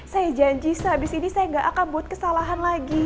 saya janji sehabis ini saya gak akan buat kesalahan lagi